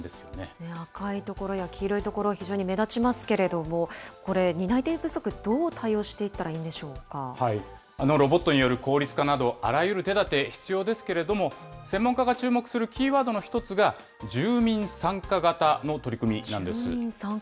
赤い所や黄色い所、非常に目立ちますけれども、これ、担い手不足、どう対応していったロボットによる効率化など、あらゆる手だて、必要ですけれども、専門家が注目するキーワードの一つが、住民参加型の取り組みなんです。